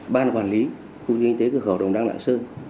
ban quản lý khu kinh tế cửa khẩu đồng đăng lạng sơn